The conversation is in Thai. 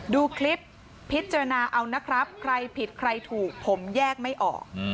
ดูคลิปพิจารณาเอานะครับใครผิดใครถูกผมแยกไม่ออก